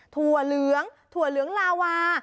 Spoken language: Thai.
ถั่วเหลืองถั่วเหลืองลาวา